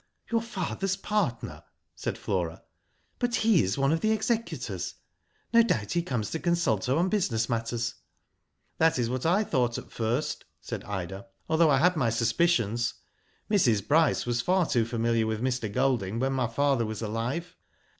"Your father's partner," said Flora; "but he is one of the executors. No doubt he comes to consult her on business matters." " That is what I thought at first," said Ida, '* although I had my suspicions. Mrs. Bryce was far too familiar with Mr. Golding when my father was alive.